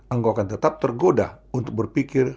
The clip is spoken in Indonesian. engkau akan tetap tergoda untuk berpikir